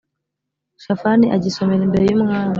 Shafani agisomera imbere y umwami